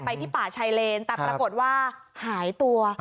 ที่ป่าชายเลนแต่ปรากฏว่าหายตัว